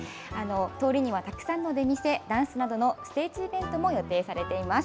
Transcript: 通りにはたくさんの出店、ダンスなどのステージイベントなども予定されています。